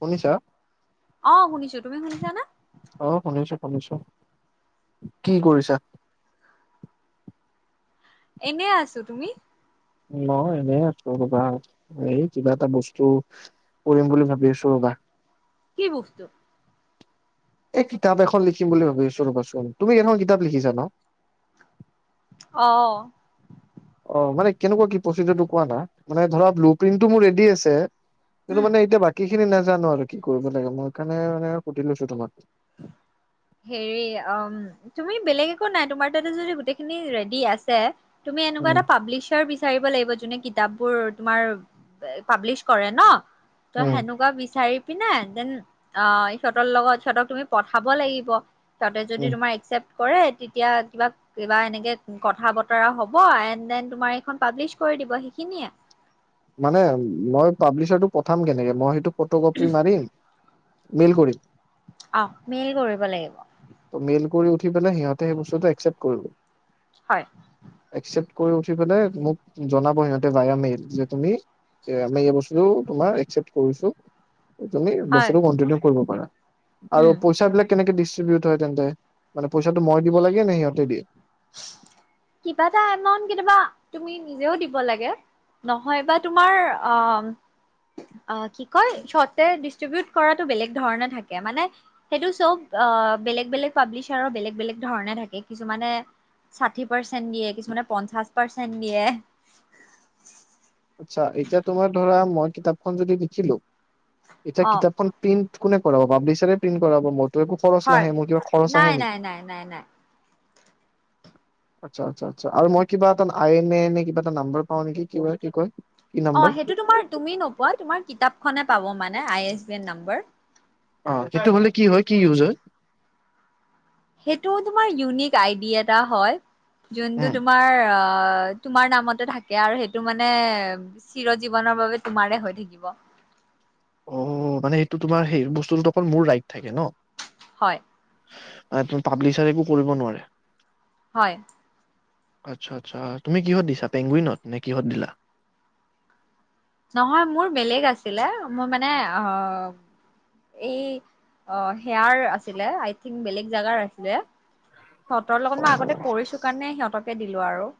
শুনিছা? অহ শুনিছোঁ, তুমি শুনিছানে? শুনিছোঁ, কি কৰিছা? এনে আছো, তুমি? মই এনেই আছো ৰবা, এই কিবা এটা বস্তু কৰিম বুলি ভাবি আছো ৰবা। কি বস্তু? এই কিতাপ এখন লিখিম বুলি ভাবি আছো ৰবাচোন, তুমি এখন কিতাপ লিখিছা ন? অহ। অ মানে কেনেকুৱা কি প্ৰচিজৰটো কোৱা না, মানে ধৰা ব্লু প্ৰিণ্টটো মোৰ ৰেডি আছে। কিন্তু উম মানে এতিয়া বাকী খিনি নেজানো আৰু কি কৰিব লাগে, মই কাৰণে মানে সুধি লৈছো তোমাক। হেৰি অম তুমি বেলেগ একো নাই, তোমাৰ তাতে যদি গোটেইখিনি ৰেডি আছে তুমি এনেকুৱা উম, এটা পাবলিছাৰ বি বিচাৰিব লাগিব যোনে কিতাপবোৰ তুমাৰ পাব্লিচ কৰে ন। ত উম, সেনেকুৱা বিচাৰি পিনে দেন অ ইহঁতৰ লগত চতক তুমি পঠাব লাগিব। তাতে যদি উম। তোমাৰ একচেপ্ট কৰে তেতিয়া কিবা- কিবা এনেকে কথা বতৰা হব এন দেন তোমাৰ এইখন পাব্লিছ কৰি দিব সেইখিনিয়ে। মানে মই পাব্লিচাৰটো পঠাম কেনেকে মই সেইটো ফটো কপি মাৰি মেইল কৰিম। আহ, মেইল কৰিব লাগিব। মেইল কৰি কৰিপেলাই সিহঁতে সেই বস্তুটো একচেপ্ট কৰিব, হয় একচেপ্ট কৈ উঠি পেলাই মোক জনাব সিহঁতে বায়া মেইল যে তুমি আমি এই বস্তুটো তোমাৰ একচেপ্ট কৰিছো। তুমি হয় বছৰটো কন্টিনিউ কৰিব পাৰা আৰু উম পইচা বিলাক কেনেকে দিছে [unintelligible] হয় তেন্তে মানে পইচাটো মই দিব লাগে নে সিহঁতে দিয়ে? কিবা এটা একাউণ্ট কেতিয়াবা তুমি নিজেও দিব লাগে, নহয় বা তোমাৰ অ' - অ' কি কয় চৰ্টকে ডিষ্ট্ৰিবিউট কৰাটো বেলেগ ধৰণে থাকে মানে সেইটো চব আহ বেলেগ - বেলেগ পাব্লিচাৰৰ বেলেগ বেলেগ ধৰণে থাকে কিছুমানে চা পাৰ্চেন্ট দিয়ে কিছুমানে পঞ্চাশ পাৰ্চেন্ট দিয়ে। [inaudible] আচ্ছা, এতিয়া তোমাৰ ধৰা মই কিতাপখন যদি লিখিলো এতিয়া অ কিতাপখন প্ৰিন্ট কোনে কৰাব পাব্লিচাৰে প্ৰিণ্ট কৰাব মো একো খৰচ হয় নাহে মোৰ কিবা খৰচ নাই আহে নাই নেকি! নাই নাই নাই আচ্ছা আচ্ছা আচ্ছা আৰু মই কিবা এটা আই এনে এ কিবা এটা নাম্বাৰ পাও নেকি কিবা কি কয়? ! অ সেইটো তোমাৰ তুমি নোপোৱা তোমাৰ কিতাপ খনে পাব মানে আই এছ বি ৰ নাম্বৰ অহ্ সেইটো হলে কি হয় কি ইউজ হয়? সেইটো তোমাৰ ইউনিক আইডি এটা হয়। যোনটো উম তোমাৰ অ অ তোমাৰ নামতে থাকে আৰু সেইটো মানে চিৰ জীৱনৰ বাবে তোমাৰে হৈ থাকিব। অ মানে সেইটো তোমাৰ সেই বস্তুটোত অকল মোৰ ৰাইট থাকে ন। হয়। পাব্লিচাৰে একো কৰিব নোৱাৰে! ! হয়। আচ্ছা আচ্ছা তুমি কিহত দিছা পেংগুইনত নে কিহত দিলা? নহয় মোৰ বেলেগ আছিলে মোৰ মানে এই সেয়াৰ আছিল আই থংক বেলেগ জগাৰ আছিল। সিহঁতৰ লগত মই অ' আগতে কৰিছো কাৰণে সিহঁতক দিলো আৰু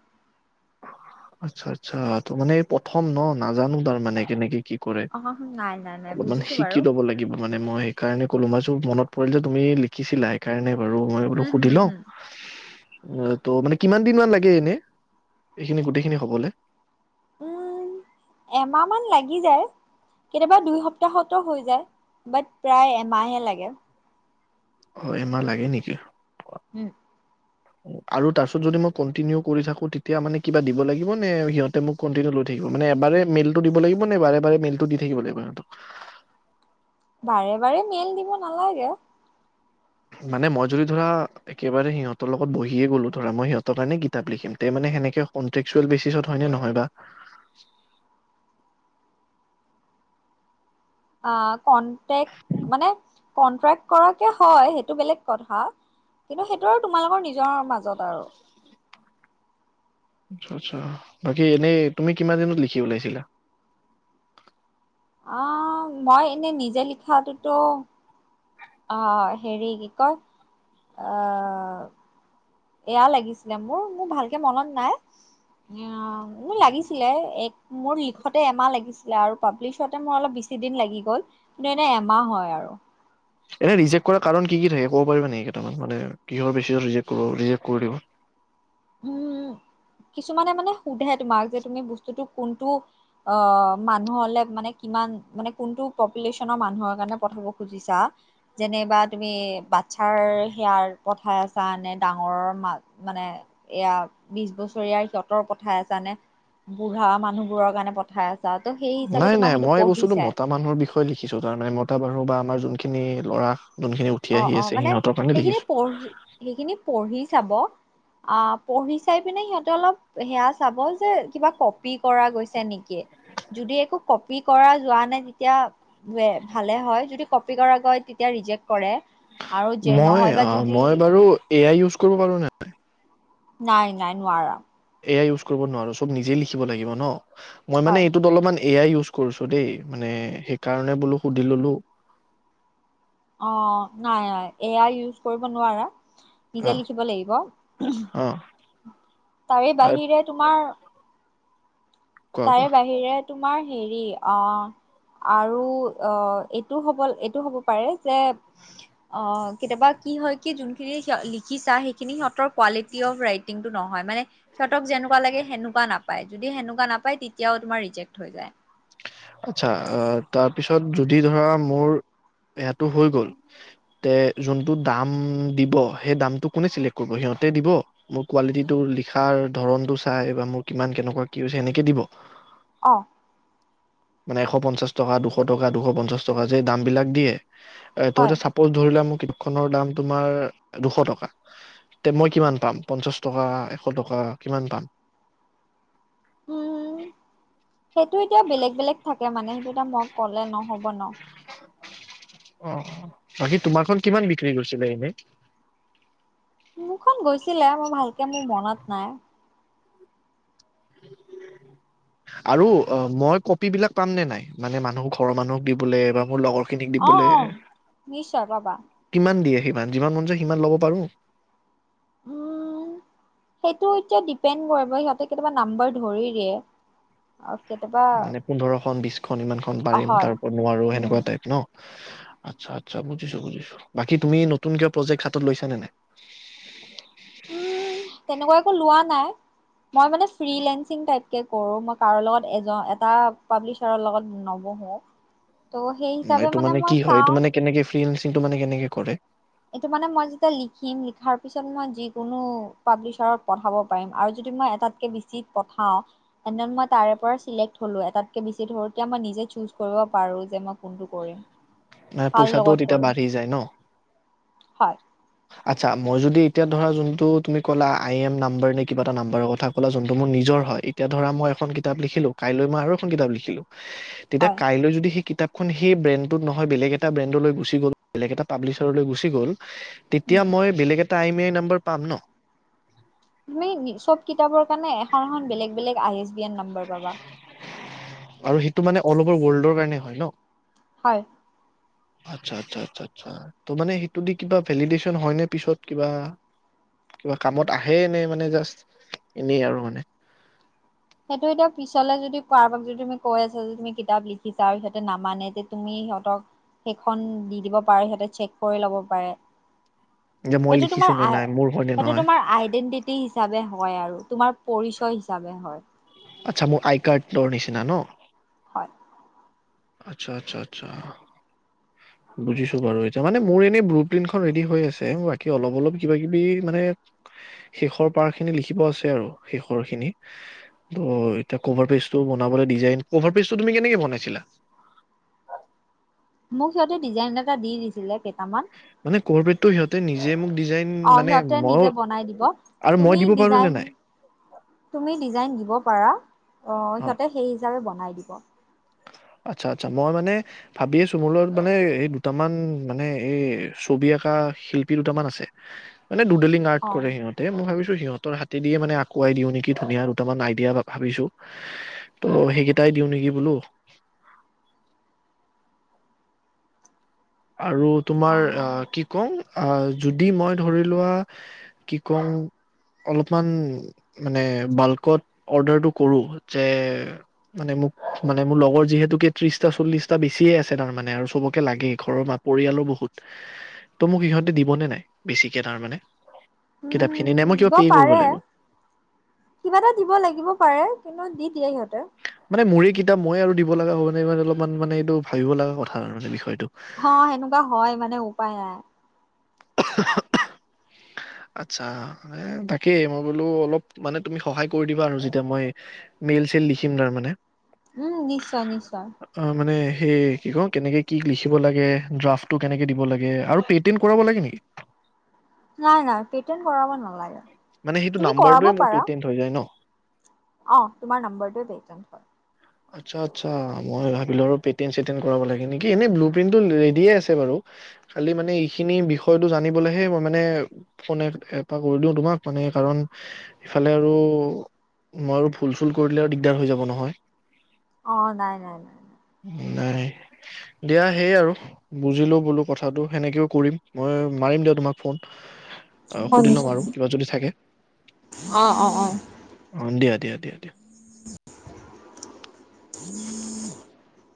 আচ্ছা আচ্ছা ত মানে প্ৰথম ন নাজানো তাৰ মানে কেনেকে কি। অ নাই নাই নাই অলপমান বুজিছো শিকি বাৰু লব লাগিব মানে মই সেইকাৰণে, কলো মই মনত পৰিল যে তুমি লিখিছিলা সেই কাৰণে, বাৰু মই এইবাতো হম সুধি হম লওঁ, হম উ ত মানে কিমান দিন মমান লাগে এনে, এইখিনি গোটেইখিনি হবলে। উম এমাহ মান লাগি যায় কেতিয়াবা দুই সপ্তাহতো হৈ যায় বাট প্ৰায় এমাহে লাগে। অ এমা লাগে নেকি। উম, আৰু তাৰপিছত যদি মই কন্টিনিউ কৰি থাকো তেতিয়া মানে কিবা দিব লাগিব নে সিহঁতে মোক কন্টিনিউ লৈ থাকিব মানে এবাৰে মেইলটো দিব লাগিব নে বাৰে বাৰে মেইলটো দি থাকিব লাগিব সিহতক, বাৰে বাৰে মেল দিব নালাগে। মানে মই যদি ধৰা একেবাৰে সিহঁতৰ লগত বহিয়ে গ'লো ধৰা মই সিহঁতৰ কাৰণে কিতাপ লিখিম তে মানে সেনেকে কনট্ৰেকচুৱেল বেচিচত হয়নে নহয় বা। আ কনটেক মানে, কন্ট্ৰেক্ট কৰাকে হয় সেইটো বেলেগ কথা। কিন্তু সেইটো আৰু তোমালোকৰ নিজ নিজৰ মাজত। তাও। আচ্ছা বাকী এনেই তুমি কিমান দিনত লিখি ওলাইছিলা। আ মই এনে নিজে লিখাটোত অ হেৰি কি কয় আ এয়া লাগিছিলে মোৰ মোৰ ভালকে মনত নাই। এয়াও মোৰ লাগিছিলে এক মোৰ লিখতে এমাহ লাগিছিলে আৰু পাব্লিছতে মোৰ অলপ বেছি দিন লাগি গল কিন্তু এনে এমাহ হয় আৰু। এনে ৰিজেক কৰা কাৰণ কি কি থাকে ক'ব পাৰিব নেকি কেটামান মানে কিহৰ বেছিকত ৰিজেক কৰিব ৰিজেক কৰি দিব। উম কিছুমানে মানে সোধে তোমাক যে তুমি বস্তুটো কোনটো অ মানুহলে মানে কিমান মানে কোনটো পপুলেশ্যনৰ মানুহৰ কাৰণে পঠাব খুজিছা। যেনেবা তুমি বাচ্ছাৰ সেয়াৰ পঠাই আছা নে ডাঙৰ মা মানে এয়া বিশ বছৰীয়া সিহঁতৰ পঠাই আছ নে বুঢ়া মানুহবোৰৰ কাৰণে পঠাই আছ নাই নাই মই এই বস্তুটো মতা মানুহৰ বিষয়ে লিখিছো তাৰ মানে মতা বাৰো বা আমাৰ যোনখিনি ল'ৰা যোনখিনি উঠি অ আহি অ আছে মানে সিহঁতৰ কাৰণে সেইখিনি লিখিছো। পঢ়ি সেইখিনি পঢ়ি চাব আহ পঢ়ি চাই পিনে সিহঁতে অলপ সেয়া চাব যে কিবা কপি কৰা গৈছে নেকি যদি একো কপি কৰা যোৱা নাই তেতিয়া যে ভালে হয় যদি কপি কৰাগৈ তেতিয়া ৰিজেক্ট কৰে। আৰু যে মই নহয় বা আ যদি মই বাৰু এ আই ইউছ কৰিব পাৰো নে নাই? নাই নাই নোৱাৰা। এয়া ইউজ কৰিব নোৱাৰোঁ চব নিজেই লিখিব লাগিব ন। মই মানে হয় এইটোত অলপমান এ য়াই ইউজ কৰিছো দেই, মানে সেইকাৰণে বোলো সুধি ললো। অ নাই নাই এ আই ইউজ কৰিব নোৱাৰা। অ নিজে লিখিব লাগিব উহো, অ তাৰে বাহিৰে তোমাৰ কোৱা তাৰে কোৱা বাহিৰে তোমাৰ হেৰি অঁ আৰু অ এইটো হব এইটো হ'ব পাৰে যে অ কেতিয়াবা কি হয় কি যোনখিনি লিখিছা সেইখিনি সিহঁতৰ কোৱালিটি অফ ৰাইটিংটো নহয় মানে সিহঁতক যেনেকুৱা লাগে সেনেকুৱা নাপায়। যদি সেনেকুৱা নাপ পায় তেতিয়াও তোমাৰ ৰিজেক্ত হৈ যায়। আচ্ছা অ তাৰপিছত যদি ধৰা মোৰ সেইটো হৈ গল, তে যোনটো দাম দিব সেই দামটো কোনে চিলেক কৰিব? সিহঁতে দিব মোৰ কোৱালিটিটো লিখাৰ ধৰণটো চাই বা মোৰ কিমান কেনেকুৱা কি হৈছে সেনেকে দিব? অ। মানে এশ পঞ্চাশ টকা, দুশ টকা, দুশ পঞ্চাশ টকা যে দাম বিলাক দিয়ে এ হয় তহতে চাপোজ ধৰি লোৱা মোক কিতাপ খনৰ দাম তোমাৰ দুশ টকা, তে মই কিমান পাম? পঞ্চাশ টকা, এশ টকা কিমান পাম? উম সেইটো এতিয়া বেলেগ বেলেগ থাকে মানে সেইটো এতিয়া মই ক'লে নহ'ব ন। অহ, বাকী তোমাৰখন কিমান বিক্ৰী কৰিছিলে এনেই? মোৰখন গৈছিলে মই ভালকে মোৰ মনত নাই। আৰু অ মই কপী বিলাক পাম নে নাই? মানে মানুহ ঘৰৰ মানুহক দিবলে বা মোৰ লগৰ খিনিক অ' দিবলে অ' নিশ্চয় পাবা। কিমান দিয়ে সিমান যিমান মন যায় সিমান ল'ব পাৰো। উম, সেইটো এতিয়া ডিপেণ্ড কৰিব সিহঁতে কেতিয়াবা নাম্বাৰ ধৰি দিয়ে। কেতিয়াবা মানে পোন্ধৰখনন বিশখনন ইমানখন পাৰিম হয় তাৰ ওপৰত নোৱাৰো উম সেনেকুৱা টাইপ ন? আচ্ছা- আচছা বুজিছো- বুজিছো বাকী তুমি নতুন কৰে প্ৰজেক্ট হাতত লৈছা নে নাই? উম, তেনেকুৱা একো লোৱা নাই। মই মানে ফ্ৰিলেঞ্চিন টাইপকে কৰো, মই কাৰো লগত এজ-এটা পাব্লিছাৰৰ লগত নবহো। ত' সেই না হিচাপে এইটো মানে মই কি হয়? এইটো চাওঁ মানে কেনেকে ফ্ৰি এইটো মানে কেনেকে কৰে? এইটো মানে মই যেতিয়া লিখিম লিখাৰ পিছত মই যি কোনো পাব্লিছাৰত পঠাব পাৰিম আৰু যদি মই এটাতকে বেছি পথাও, তেন্তে মই তাৰে পৰা ছিলেক্ট হলোঁ। এটাতকে বেছি ধৰো তেতিয়া মই নিজে চুজ কৰিব পাৰোঁ, যে মই কোনটো কৰিম। না কাৰ পইচাটোও লগত তেতিয়া কৰিম বাঢ়ি যায় ন'? হয়। আচ্ছা মই যদি এতিয়া ধৰা যোনটো তুমি ক'লা আই এম নাম্বাৰ নে, কিবা এটা নাম্বাৰৰ কথা ক'লা, যোনটো মোৰ নিজৰ হয়। এতিয়া ধৰা মই এখন কিতাপ লিখিলো কাইলৈ মই আৰু এখন কিতাপ লিখি তেতিয়া হয় কাইলৈ যদি সেই কি [unintelligible] ব্ৰেনটোত ন হয় বেলেগ এটা ব্ৰেণ্ডলৈ গুচি গ'ল, বেলেগ এটা পাব্লিছাৰলৈ গুচি গ'ল তেতিয়া উম মই বেল টাইমে নম্বৰ পাম ন'? [unintelligible] চব কিতাপৰ কাৰণে এখন এখন বেলেগ বেলেগ আ এন নম্বাৰ পাবা আৰু সেইটো মানে অ'ল অভাৰ ৱৰ্ল্ডৰ কাৰণে হয় ন'? হয়। আচ্ছা আচ্ছা আচ্ছা আচ্ছা আচ্ছা। টো মানে সেইটো দি কিবা ভেলিদেচন হয় নে পিছত? কিবা, কিবা কামত আহে নে? মানে যষ্ট এনে আৰু মানে। সেইটো এতিয়া পিছলে যদি কাৰোবাক যদি তুমি কৈ আছা যে তুমি কিতাপ লিখিছা আৰু সিহঁতে নামানে যে তুমি সিহঁতক সেইখন দি দিব পাৰা সিহঁতে চেক কৰি ল'ব পাৰে। যে মই সেইটো লিখিছো তোমাৰ নে আই, নাই মোৰ হয় নে সেইটো নহয় তোমাৰ আইডেন্টিটি হিচাপে হ হয় আৰু তোমাৰ পৰিচয় হিচাপে হয়। আচ্ছা মোৰ আই কাৰ্ডৰ নিচিনা ন'? হয়। আচ্ছা আচ্ছা আচ্ছা, বুজিছো বাৰু এতিয়া মানে মোৰ এনেই ব্লু প্ৰিন্টখন ৰেডি হৈ আছে, বাকী অলপ অলপ কিবা কিবি মানে। শেষৰ পাৰ খিনি লিখিব আছে আৰু শেষৰ খিনি। অ', এতিয়া কভাৰ পেজটো বনাবলৈ ডিজাইন, কভাৰ পেজটো তুমি কেনেকে বনাইছিলা? মোক সিহঁতে ডিজাইন এটা দি দিছিলে। তামাম। মানে কভাৰ পেজটো সিহঁতে নিজে মোক ডিজাইন অ', মানে সিহঁতে মইও নিজে বনাই দিব। আৰু মই তুমি দিব পাৰো নে ডিজাইন, নাই তুমি ডিজাইন দিব পাৰা। অ', সিহঁতে সেই হিচাপে বনাই দিব। আচ্ছা আচ্ছা মই মানে ভাবি আছো মোৰ লগত মানে এই দুটামান মানে এই ছবি আঁকা শিল্পী দুটামান আছে। মানে দুডেলিং আৰ্ট অ কৰে সিহঁতে মোক সিহঁতৰ হাতে দিয়ে মানে আকুৱাই দিও নেকি। ধুনীয়া দুটামান আইডিয়া ভাবিছো ত' সেইকেইটাই দিও নেকি বোলো। আৰু তোমাৰ অ, কি কও অ, যদি মই ধৰি লোৱা কি কম অলপমান মানে বাল্কত অৰ্ডাৰটো কৰো যে মানে মোক মানে মোৰ লগৰ যিহেতুকে ত্ৰিশটা চল্লিশটা বেছিয়ে আছে তাৰমানে আৰু চবকে লাগে ঘৰৰ ম-পৰিয়ালৰ বহুত ত' মোক ইহঁতে দিবনে নাই? বেছিকে তাৰমানানে। উম, দিব পাৰে, কিবা এটা দিব লাগিব পাৰে। কিন্তু দি দিয়ে সিহঁতে। নাই মোৰে কিতাপ, মই আৰু দিব লগা হ'বানে মানে অলপমান মানে ভাবিব লগা কথা আৰু মানে বিষয়টো হ, সেনেকুৱা হয় মানে উপায় আৰ। আচ্ছা তাকেই মই বোলো অলপ মানে তুমি সহায় কৰি দিবা আৰু যেতিয়া মই মেইল চেল লিখিম তাৰ মানে উম নিশ্চয় নিশ্চয় মানে সেই কি ক কেনেকে কি লিখিব লাগে ড্ৰাফট টো কেনেকে দিব লাগে আৰু পেটেণ্ট কৰাব লাগে নেকি [unintelligible] নাই নাই পেটেন কৰাব নালাগে মানে সেইটো তুমি কৰাব নাম্বাৰটোৱে মোৰ পাৰা পেটিম হৈ যায় ন অ তোমাৰ নম্বৰটো দে ঘ আচ্ছা আচ্ছা মই ভাবিলো আৰু পেটিয়েম চেটন কৰাব লাগে নেকি এনে ব্লু প্ৰিন্টটো ৰেডিয়ে আছে বাৰু খালি মানে এইখিনি বিষয়টো জানিবলৈহে মই মানে ফোন এপ কৰিলওঁ তোমাক মানে কাৰণ ইফালে আৰু মই আৰু ভুল চুল কৰিলে আৰু দিগদাৰ হৈ যাব নহয় অ, নাই, নাই, নাই ন নাই দিয়া সেই আৰু বুজিলোও বোলো কথাটো সেনেকেও কৰিম মই মাৰিম দিয়া তোমাক ফোন অ অ, সুধি লম নিশ্চয় আৰু কিবা যদি থাকে অ, অ, অ, অ দিয়া দিয়া- দিয়া দিয়া। [inaudible]